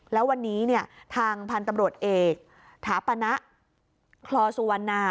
แล้ววันนี้ทางพันธุ์ตำรวจเอกถาปณะคลอสุวรรณา